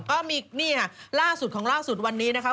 ก็มีนี่ค่ะล่าสุดของล่าสุดวันนี้นะคะ